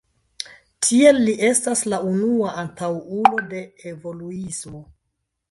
Tiel li estas la unua antaŭulo de evoluismo.